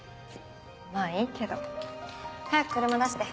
まぁいいけど早く車出して。